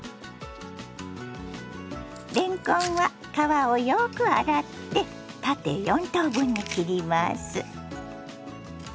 れんこんは皮をよく洗って縦４等分に切ります。